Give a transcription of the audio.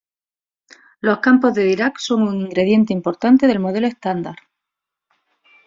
Los campos de Dirac son un ingrediente importante del Modelo Estándar.